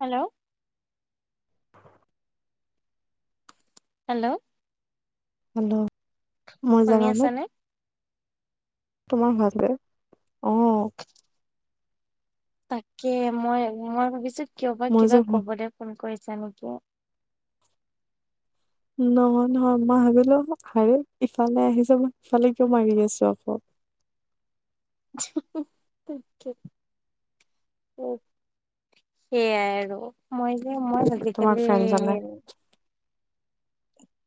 Hello. Hello. Hello মই শুনি জানানে। আছানে? তোমাৰ ভাজবেক অ। [unintelligible] তাকে মই মই ভাবিছো কিয় বা মই যে কিবা ভু- কবলে ফোন কৰিছা নেকি। নহয় নহয় মই ভাবিলো হে ইফালে আহিছে মই ইফালে কিয় মাৰি আছো আকৌ। [unintelligible] [inaudible] সেইয়াই আৰু মই যে মই তোমাৰ আজিকালি। ফ্ৰেণ্ডজনে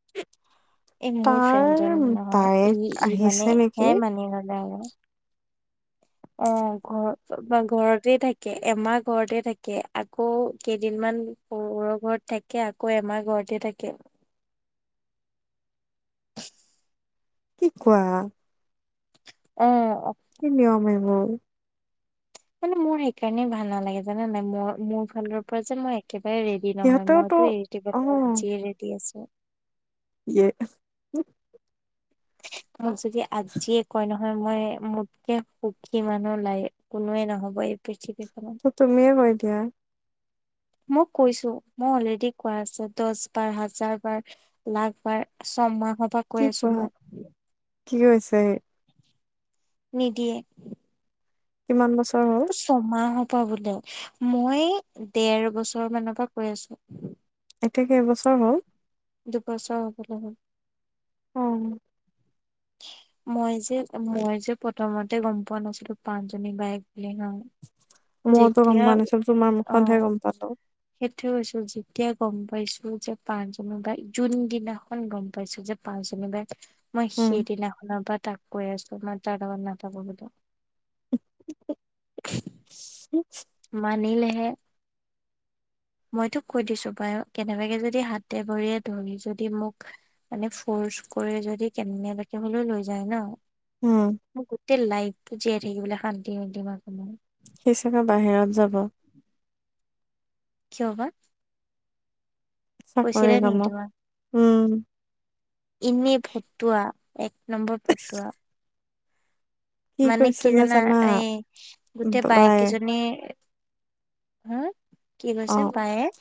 [unintelligible] এই মোৰ তাৰ ফ্ৰেণ্ডজন নহয় বায়েক ই ই মানে আহিছে নেকি হেয়া মানি ললে আৰু। অ ঘ বা ঘৰতে থাকে এমাহ ঘৰতে থাকে আকৌ কেইদিনমান। সহুৰৰ ঘৰত থাকে আকৌ এমাৰ ঘৰতে থাকে। কি কোৱা। অ। কি নিয়ম এইবোৰ। মানে মোৰ সেইকাৰণে ভাল নালাগে জানা নাই মই মোৰ ফালৰ পৰা যে মই। একেবাৰে ৰেডি নহয় সিহঁতেওতো মইতো এৰি অ দিবলে আজিয়ে ৰেডি আছো। ইয়ে। মোক যদি আজিয়ে কয় ন। হয় মই মোতকে সুখী মানুহ লাই কোনোৱে নহব এই পৃথিৱীখনত। তো তুমিয়ে কৈ দিয়া। মই কৈছো মই অলৰেডি কোৱা আছে দশ বাৰ হাজাৰ বাৰ। লাখবাৰ ছমাহ পা। কি কোৱা কি হৈছে। নিদিয়ে। কিমান বছৰ হ'ল। ছমাহ পা বোলে মই দেৰ বছৰ মানৰ পৰা কৈ আছো। এতিয়া কেইবছৰ হ'ল। দুবছৰ হবলে হল। অ। মই যে মই যে প্ৰথমতে গম পোৱা নাছিলো পাঁচ জনী বায়ক বুলি নহয়। মওতো গম পোৱা নাছিলো তোমাৰ মুখতহে গম পালো। সেইটোয়ে কৈছো যেতিয়া গম পাইছো যে পাঁচ বা জুন দিনাখন গম পাইছো যে। পাচজনি বাইক মই উম সেইদিনাখনৰ পৰা তাক কৈ আছো মই তাৰ লগত নাথাকো বুলি। [unintelligible] মানিলেহে। মইতো কৈ দিছো বায় কেনেবাকে যদি হাতে ভৰিয়ে ধৰি যদি মোক। মানে ফৰ্চ কৰি যদি কেনেবাকে হলেও লৈ যায় ন। উমঁ। গোটেই লাইফটো জীয়াই থাকিবলৈ শান্তি নিদিম আপুনাক। সি চাগে বাহিৰত যাব। কিয় বা? কৈছিলে চাকৰি নেকি কামত তোমাক? উম এনেই ফটুৱা, এক নম্বৰ ফটুৱা। মানে কি জানা এই গোটেই বায়েক বায়ে কেইজনী- হুম কি অ কৈছে বায়েক?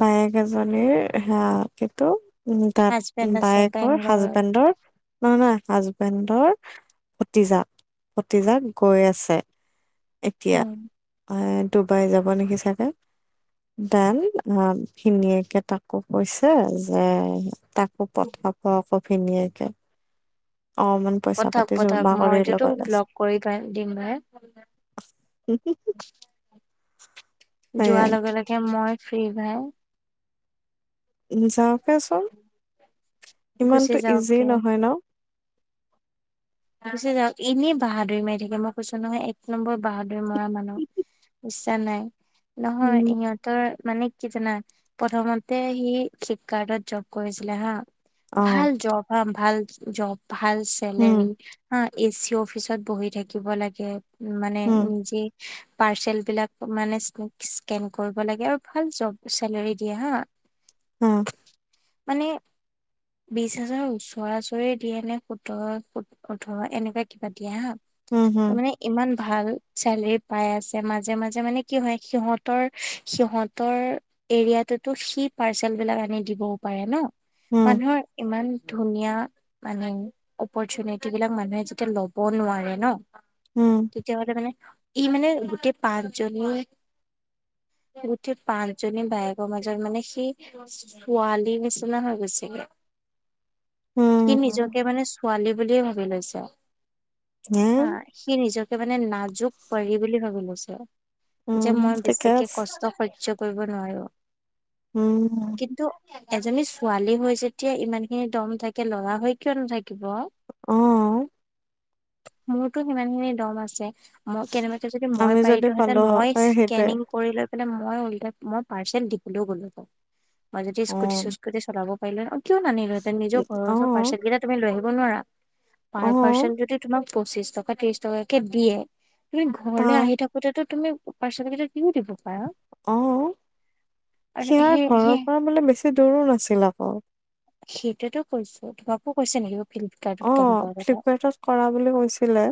বায়েক এজনীৰ হাঁ কিন্তু- উম' তা'ত হাজবেণ্ড আছে বায়েকৰ বেংগলৰ হাজবেণ্ডৰ নহয়-নহয় হাজবেণ্ডৰ- ভতিজাক, ভতিজাক গৈ আছে। এতিয়া উম ডুবাই যাব নেকি চাগে। দান, আঁহ ভিনিয়েকে কৈছে যে তাকো পথাওক। ককাইৰ ভিনিয়েকে। অঁহ', মান পঠাউক-পঠাওক। মইটোতো ব্লক কৰি পেলাই দিম হে। হয় নেকি। যোৱাৰ লগে-লগে মই ফ্ৰী ভাই। যাওকেচোন ইমানটো গুচি যাওঁক ইজি গে। নহয় ন তাৰপিছত যাওঁক। এনেই বাহাদুৰি মাৰি থাকে, মই কৈছো নহয় এক নম্বৰ বাহাদুৰ মৰা মানুহ ইচ্ছা নাই। নহয় ইহঁত- ৰ মানে কি জানা প্ৰথমতে সি ফ্লিপকাৰ্টত জব কৰিছিলে হাঁ। ভাল জব হাঁ, ভাল জব, ভাল চেলাৰী। হাঁ, এ চি অফিচত বহি থাকিব লাগে মানে নিজে। পাৰ্চেল বিলাক মানে স্কেন কৰিব লাগে আৰু ভাল জব চেলাৰী দিয়ে হাঁ। উমঁ। মানে বিশ হাজাৰ ওচৰাচৰি দিয়ে নে, সোতৰ- উঠৰ এনেকুৱা কিবা দিয়া হাঁ। উম, হুম। ইমান ভাল চেলেৰি পাই আছে। মাজে-মাজে মানে কি হয় সিহঁতৰ-সিহঁতৰ- এৰিয়া বিলাকতো সি পাৰ্চেল বিলাক আনি দিবও পাৰে ন। মানুহৰ ইমান ধুনীয়া মানে অপৰচুনেট- সেইবিলাক মানুহে যেতিয়া ল'ব নোৱাৰে ন, তেতিয়াহ'লে মানে- ই মানে গোটেই পাঁচজনীয়ে- গোটেই পাঁচ জনী বায়েকৰ মাজত মানে সেই- ছোৱালী নিচিনা হৈ গৈছেগে। সি নিজকে মানে ছোৱালী বুলিয়ে ভাবি লৈছে। হাঁ, সি নিজকে মানে নাজুক পৰী বুলি ভাবি লৈছে। যে মই ঠিকে বেছিকে আছে। কষ্ট সহ্য কৰিব নোৱাৰো। উমঁ। কিন্তু এজনী ছোৱালী হৈ যেতিয়া ইমান খিনি দম থাকে ল'ৰা হৈ কিয় নাথাকিব। অঁহ। মোৰোতো সিমানখিনি দম আছে। মই কেনেবাকে যদি মই আমি যদি পাৰিলো পালো হেঁতেন মই হয় এই সেইটোৱে। স্কেনিং কৰি লৈ- মই ওলটাই মই পাৰ্চেল দিবলৈও গ'লো হয়। মই যদি অ' স্কুটি-চিচকুটি চলাব পাৰিলো হয়। পাৰিলো হয়। অ কিয় নানিলোহেঁতেন ই নিজৰ ঘৰ ওচৰৰ অ' পাৰ্চেল কেইটা তুমি লৈ আহিব নোৱাৰা। পাৰ অ' পাৰ্চন যদি তোমাক পঁচিশ টকা ত্ৰিশ টকাকে দিয়ে তুমি ঘৰলে তাৰ আহি থাক সটটো তুমি পাৰ্চেল কেইটা দিও দিব পাৰা অ আৰু সেয়াৰ সেই সেই ঘৰৰ পৰা বোলে বেছি দূৰো নাছিল আকৌ সেইটোতো কৈছো তোমাকো কৈছে নেকি ফ্লিপকাৰ্ট অ ফ্লিপকাৰ্টত কৰা বুলি কৈছিলে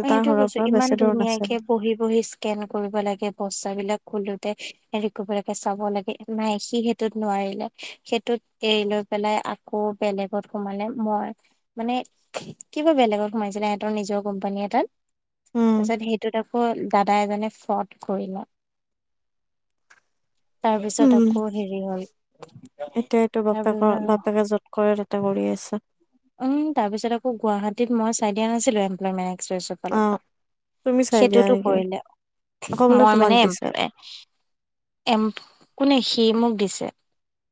মই তাৰ সেইটোয়ে ঘৰৰ কৈছো পৰা ইমান বেছি দূৰ নাছিল। ধুনীয়াকে বহি বহি স্কেন কৰিব লাগে বস্তা বিলাক খুলোতে হেৰি কৰিব লাগে চাব লাগে নাই সি সেইটোত নোৱাৰিলে সেইটোত এৰি লৈ পেলাই আকৌ বেলেগত সোমালে মই মানে কিবা বেলেগত সোমাইছিলে সিহঁতৰ নিজৰ কোম্পানী এটাত উম, তাৰপিছত সেইটোত আকৌ দাদা এজনে ফ্ৰড কৰি লয় তাৰপিছত হুম। আকৌ হেৰি হল এতিয়া এইটো বাপেকৰ তাৰপিছত বাপেকে যত কৰে কৰি আছে উম তাৰ পিছত আকৌ গুৱাহাটীত মই চাই দিয়াছিলো এম্প্লমেণ্ট অ' তুমি এক্সপ্ৰেছত চাই দিয়া সেইটোতো নেকি? কৰিলে আকৌ বোলে মই তোমাক মানে দিছে এমপ্লয় এম কোনে সি মোক দিছে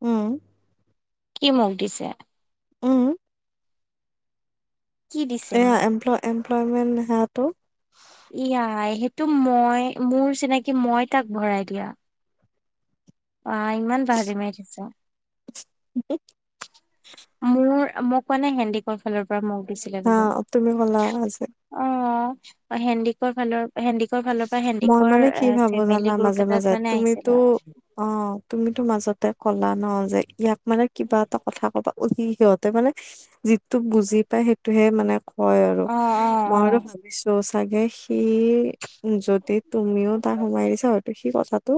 উম কি মোক দিছে উম কি দিছে এয়া মোক? এমপ এমপ্লয়মেণ্ট সেটো ইয়াই সেইটো মই মোৰ চিনাকি মই তাক ভৰাই দিয়া অ ইমান পাহৰি মাৰি দিছো কি মোৰ মোক মানে হেন্দিকৰ ফালৰ পৰা মোক দিছিলে হা কিন্তু তুমি ক'লা আজি অ হেন্দিকৰ ফালৰ পৰা হেন্দিকৰ ফালৰ মই হেণ্ডিকৰ মানে কি অ ভাবো জানা ফেমিলি মাজে গ্ৰুপ মাজে এটাত মানে তুমিতো আহিছিলে অ তুমিতো মাজতে কলা ন যে ইয়াক মানে কিবা এটা কথা কবা সি সিহঁতে মানে তো বুজি পাই সেইটোহে মানে কয় আৰু অ অ মই আৰু অ ভাল ছ চাগে সি যদি তুমিও তাক সোমাই দিছা হয়তো সি কথাটো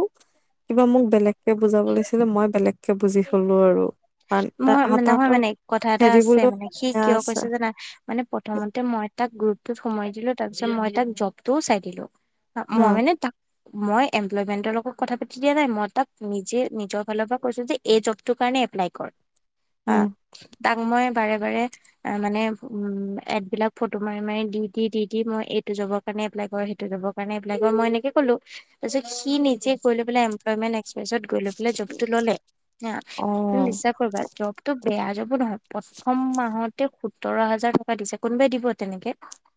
কিবা মোক বেলেগকে বুজাব লাগিছিলে মই বেলেগকে বুজি থলো আৰু কাৰণ মই নহয় তাৰ মানে কথা এটা হেৰি আছে বোলো মানে অলপ সি বেয়া কিয় আছে কৈছে জানা মানে প্ৰথমতে মই তাক গ্ৰুপতোত সোমাই দিলো তাৰ পিছত মই তাক জবটোও চাই দিলো মই উম মানে তাক মই এমপ্লয়মেন্টৰ লগত কথা পাতি দিয়া নাই মই তাক নিজে নিজৰ ফালৰ পৰা কৈছো যে এই জবটোৰ কাৰণে এপ্লাই কৰ বা উম তাক মই বাৰে বাৰে মানে উম এডবিলাক ফটো মাৰি মাৰি দি দি দি দি মই এইটো যবত কাৰণে এপ্লাই কৰে সটোৰ কাৰণে এপ্লাই কৰ মই এনেকে ক'লো তাৰিছত স নিজে কৈ লৈ পেলাই এম্লয়মেন্ট্ এস্কপ্ৰেছত লৈ পেলাই জবটো ললে হা তুমি অ', বিশ্বাস কৰিবা জবতো বেয়া যবো নহয় প্ৰথম মাহতে সোতৰ হাজাৰ টকা দিছে কোনোবাই দিব তেনেকে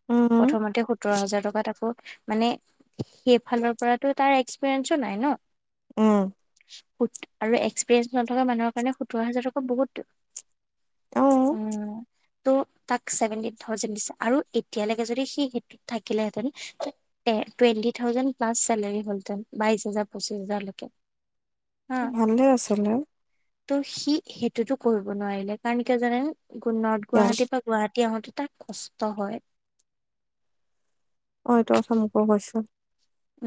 উম প্ৰথমতে সোতৰ হাজাৰ টকাত আকৌ মানে সেইফালৰ পৰাতঝ তাৰ এক্সপিৰিয়েঞ্চো নাই ন উম, আৰু এক্সপিৰিয়েঞ্চ নথকা মানুহৰ কাৰণে, সোতৰ হাজাৰ টকা বহুত। অ উম, ত, তাক ছেভেনটিন থাউজেণ্ড দিছে আৰু এতিয়ালৈকে যদি সি, সেইটোত থাকিলেহেঁতেন তে, টুৱেণ্টি থাউজেণ্ড প্লছ চেলাৰী হলঁহেতেন, বাইছ হাজাৰ, পঁচিছ হাজাৰলৈকে। হা ভালে আছিলে। ত, সি সেইটোতো কৰিব নোৱাৰিলে, কাৰণ কিয় জানানে, নৰ্থ ইয়াত গুৱাহাটীৰ পৰা গুৱাহাটী আহোতে, তাৰ কষ্ট হয়। অ, এইটো কথা মোকো কৈছে।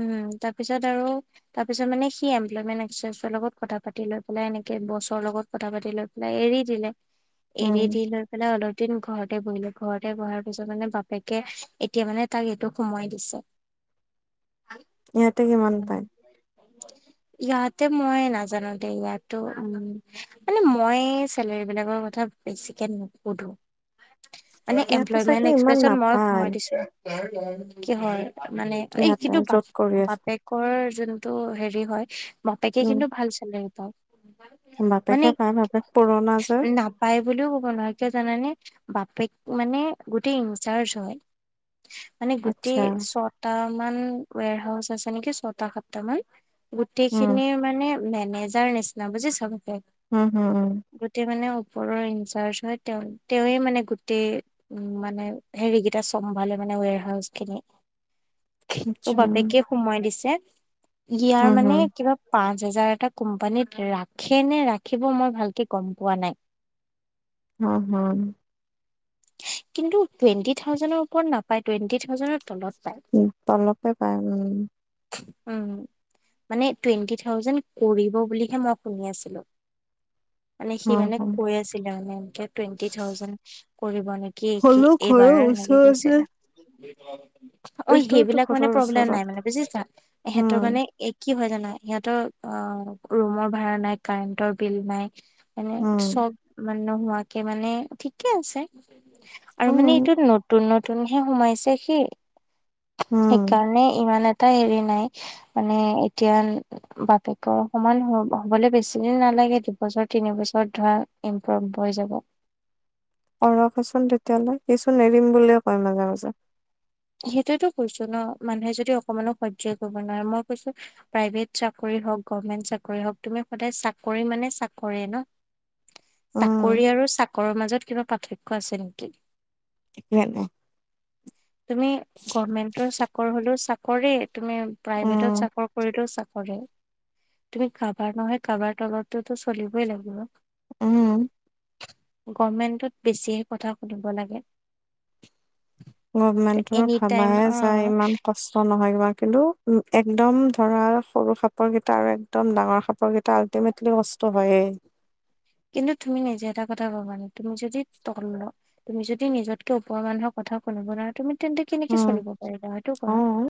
উম, তাৰপিছত আৰু তাৰপিছত মানে সি, এমপ্লয়মেণ্ট এক্সচেঞ্জৰ লগত কথা পাতি লৈ, পেলাই এনেকে বছৰ লগত কথা পাতি লৈ পেলাই এৰি দিলে, উম এৰি দি লৈ মানে অলপ দিন ঘৰতে বহিলে, ঘৰতে বহাৰ পিছত মানে বাপেকে এতিয়া মানে তাক এইটো সোমাই দিছে। ইয়াতে কিমান উম, পায় ইয়াতে মই নাজানো দেই, ইয়াতো উম, মানে মই চলেৰী বিলাকৰ কথা বেছিকে, নুসুধো। মানে ইয়াতে এমপ্লয়মেন্ট চাগে ইমান এক্সপ্ৰেচত মই নাপায় সোময় দিছো, কি হৰ, মানে এই ইয়াতে কিন্তু য'ত বাপে- কৰি আছে বাপেকৰ যোনটো হেৰি হয়, বাপেকে উম কিন্তু ভাল চালাৰী পা বাপেকে পায়, বাপেক পুৰণা যে। পায় বুলিও ক'ব নোৱাৰো, কিয় জানানে? বাপেক মানে গোটেই ইনচাৰ্জ হয়। মানে গোটেই আচ্ছা ছটা মান, ৱেৰ হাউচ আছে নেকি, ছয়টা, সাতটা মান। উম গোটেইখিনিৰ মানে মেনেজাৰ নিচিনা, বুজিছ বাপেক। উম, হম, উম, গোটেই মানে ওপৰৰ ইনচাৰ্জ হয়, তেওঁ তেওঁৱে মানে গোটেই উম, মানে হেৰিকেইটা চম্ভালে মানে, ৱেৰ হাউচ খিনি। ত, আচ্ছা বাপেকেই সোমাই দিছে, ইয়াৰ উম মানে হম কিবা পাঁচ হাজাৰ এটা কোম্পানীত ৰাখে নে, ৰাখিব মই ভালকে গম পোৱা নাই। উম, হম, কিন্তু টুৱেন্টি থাউজেণ্ড ওপৰত নাপায়, টুৱেণ্টি থাউজেণ্ডৰ তলত পায়। উম, তলপে পায় উম, উম, মানে টুৱেণ্টি থাউজেণ্ড কৰিব বুলিহে মই শুনি আছিলো। মানে সি মানে অ কৈ আছিলে মানে, এনকে টুৱেন্টি থাউজেন কৰিব নেকি। কি কি, হলেও এইবাৰ ঘৰৰ এনেকে ওচৰতে কৈছিলে। অ, এইটোতো সেইবিলাক মানে ঘৰৰ প্ৰব্লেম ওচৰত নাই মানে বুজিছা, সিহঁতৰ উম মানে এক কি হয় জানা, সিহঁতৰ অ, ৰুমৰ ভাড়া নাই, কাৰেণ্টৰ বিল নাই। মানে উম চ'ব মানে নোহোৱাকে মানে, ঠিকে আছে। আৰু মানে উম, এইটো নতুন, নতুনহে সোমাইছে সি উম, কাৰণে ইমান এটা হেৰি নাই, মানে এতিয়া বাপেকৰ সমান হ, হ'বলৈ বেছিদিন নালাগে, দুবছৰ তিনিবছৰ ধৰা। ইমপ্ৰুভ হৈ যাব। কৰকচোন তেতিয়ালৈ, সিচোন এৰিম বুলিয়ে কয় মাজে, মাজে। সেইটোতো কৈছো ন, মানুহে যদি অকমানো সয়জ, কৰিব নোৱাৰে মই কৈছো প্ৰাইভেট চাকৰি হওঁক, গভমেন্ট চাকৰি হ'ওক, গভৰ্ণমেণ্ট চাকৰি হক, তুমি সদায় চাকৰি মানে চাকৰি ন, উম, চাকৰি আৰু চাকৰৰ মাজত কিবা পাৰ্থক্য আছে নেকি? [unintelligible] তুমি গভমেন্টৰ চাকৰ হ'লেও চাকৰেই। তুমি প্ৰাইভেটত উম, চাকৰ কৰিলেও চাকৰেই। তুমি কাবাৰ নহয় কাবাৰ তলততো চলিবই লাগিব। উম। গভমেন্টত বেছি হে কথা শুনিব লাগে। গভমেন্টত এনি ভাবা টাইম হে যায় অ' ইমান কষ্ট নহয় কিবা কিন্তু উম, একদম ধৰা সৰু সাপৰ কেইটা আৰু একদম ডাঙৰ সাপৰ কেইটা আল্টিমেটলি কষ্ট হয়েই। কিন্তু তুমি নিজে এটা কথা ভাবানে তুমি যদি তল তুমি যদি নিজতকে ওপৰৰ মানুহৰ কথা সুনিব নোৱাৰা তুমি তেন্তে কেনেকে উম, চলিব পাৰিবা সেইটো কোৱা। অ'।